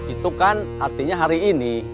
itu kan artinya hari ini